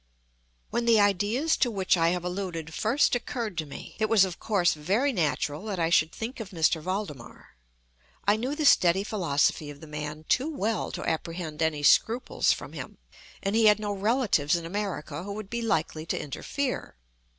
When the ideas to which I have alluded first occurred to me, it was of course very natural that I should think of M. Valdemar. I knew the steady philosophy of the man too well to apprehend any scruples from him; and he had no relatives in America who would be likely to interfere.